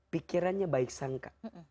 pikirannya baik sangka